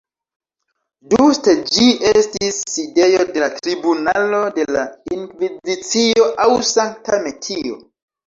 Ĝuste ĝi estis sidejo de la Tribunalo de la Inkvizicio aŭ Sankta Metio.